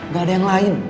gak ada yang lain